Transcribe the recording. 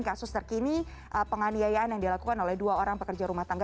kasus terkini penganiayaan yang dilakukan oleh dua orang pekerja rumah tangga